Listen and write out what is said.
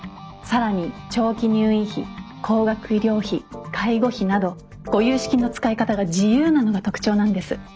更に長期入院費高額医療費介護費などご融資金の使い方が自由なのが特徴なんです。